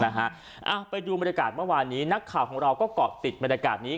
ไปดูบรรยากาศเมื่อวานนี้นักข่าวของเราก็เกาะติดบรรยากาศนี้